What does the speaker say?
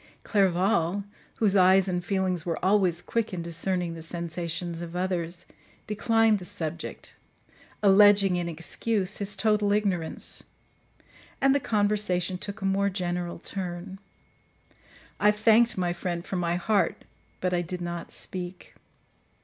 Clerval, whose eyes and feelings were always quick in discerning the sensations of others, declined the subject, alleging, in excuse, his total ignorance; and the conversation took a more general turn. I thanked my friend from my heart, but I did not speak.